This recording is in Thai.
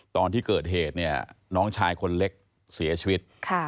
ตอนที่เกิดเหตุเนี่ยน้องชายคนเล็กเสียชีวิต